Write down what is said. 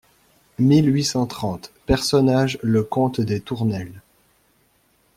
mille huit cent trente PERSONNAGES LE COMTE DES TOURNELLES.